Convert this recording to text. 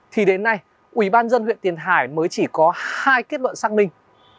thì đến nay ủy ban nhân huyện tiền hải mới chỉ có hai kết luận xác minh